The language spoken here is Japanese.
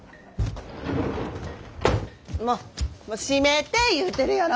閉めて言うてるやろ！